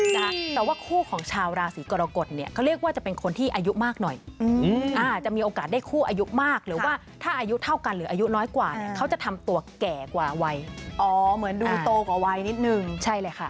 แต่ว่าคู่ของชาวราศีกรกฎเนี่ยเขาเรียกว่าจะเป็นคนที่อายุมากหน่อยจะมีโอกาสได้คู่อายุมากหรือว่าถ้าอายุเท่ากันหรืออายุน้อยกว่าเนี่ยเขาจะทำตัวแก่กว่าวัยอ๋อเหมือนดูโตกว่าวัยนิดนึงใช่เลยค่ะ